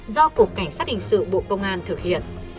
do cục cảnh sát hình sự bộ công an thực hiện